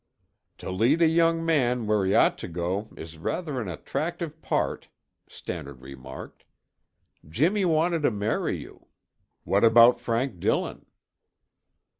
"To lead a young man where he ought to go is rather an attractive part," Stannard remarked. "Jimmy wanted to marry you. What about Frank Dillon?"